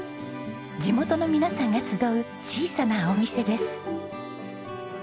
地元の皆さんが集う小さなお店です。